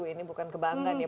ini bukan kebanggaan ya